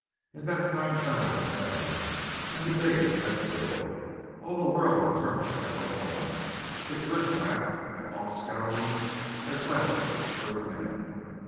In that time thousands had landed, and the diggings had filled. All the world had turned to California; its riffraff and offscourings as well as its true men.